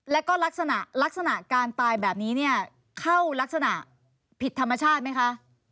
แล้วก็ลักษณะการตายแบบนี้เข้ารักษณะผิดธรรมชาติไหมคะ